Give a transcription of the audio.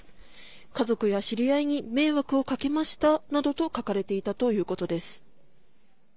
家族や知り合いに迷惑を掛けましたなどと書かれていたということです。